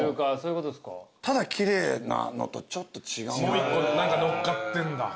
もう１個何か乗っかってんだ。